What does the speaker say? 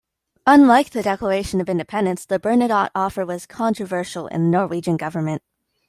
Unlike the declaration of independence, the Bernadotte Offer was controversial in the Norwegian government.